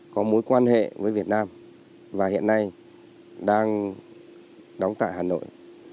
có mối quan hệ với việt nam và hiện nay đang đóng tại hà nội